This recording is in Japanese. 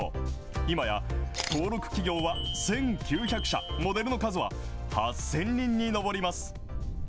今や、登録企業は１９００社、モデルの数は８０００人に上ります。